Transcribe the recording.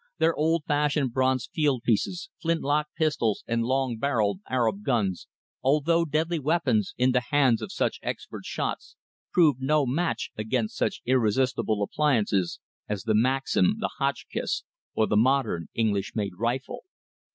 Their old fashioned bronze field pieces, flint lock pistols and long barrelled Arab guns, although deadly weapons in the hands of such expert shots, proved no match against such irresistible appliances as the Maxim, the Hotchkiss, or the modern English made rifle.